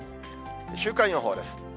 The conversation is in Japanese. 週間予報です。